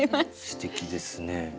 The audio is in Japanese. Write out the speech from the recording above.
すてきですね。